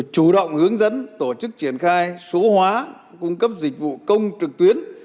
chủ động hướng dẫn tổ chức triển khai số hóa cung cấp dịch vụ công trực tuyến